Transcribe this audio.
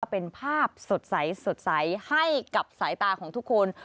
เป็นภาพสดใสให้กับสายตาของทุกคน